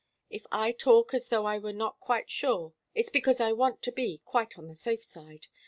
If I talk as though I were not quite sure, it's because I want to be quite on the safe side.